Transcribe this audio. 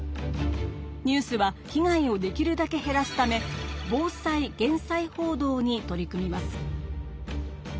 ニュースは被害をできるだけ減らすため防災・減災報道に取り組みます。